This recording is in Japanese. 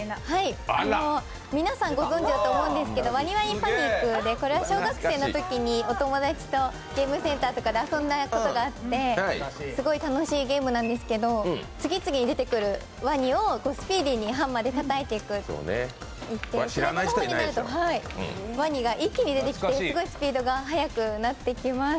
皆さんご存じだと思うんですけど「ワニワニパニック」で、これは小学生のときにお友達とゲームセンターとかで遊んだことがあってすごい楽しいゲームなんですけど次々に出てくるワニをスピーディにハンマーでたたいていって最後の方になると、ワニが一気に出てきてすごいスピードが速くなってきます。